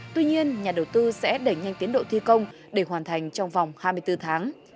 đầu tư sẽ đẩy nhanh tiến độ thi công để hoàn thành trong vòng hai mươi bốn tháng